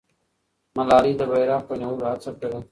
ملالۍ د بیرغ په نیولو هڅه کړې.